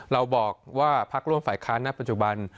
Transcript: เราบอกว่าพักร่วมฝ่ายค้านณปัจจุบัน